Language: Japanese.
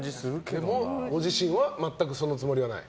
でも、ご自身は全くそのつもりはない？